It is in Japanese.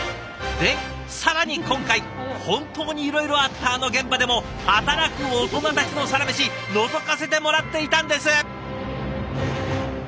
で更に今回本当にいろいろあったあの現場でも働くオトナたちのサラメシのぞかせてもらっていたんです。